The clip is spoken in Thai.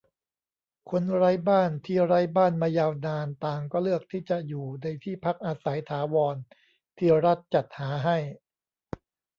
คนไร้บ้านที่ไร้บ้านมายาวนาน ต่างก็เลือกที่จะอยู่ในที่พักอาศัยถาวรที่รัฐจัดหาให้